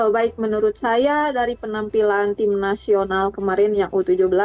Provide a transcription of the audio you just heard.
baik menurut saya dari penampilan tim nasional kemarin yang u tujuh belas